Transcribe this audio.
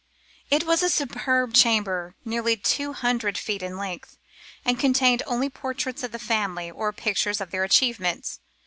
It was a superb chamber nearly two hundred feet in length, and contained only portraits of the family, or pictures of their achievements.